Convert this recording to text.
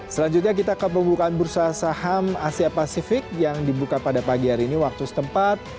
selanjutnya kita ke pembukaan bursa saham asia pasifik yang dibuka pada pagi hari ini waktu setempat